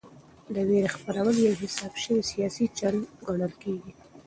د وېرې خپرول یو حساب شوی سیاسي چل ګڼل کېږي.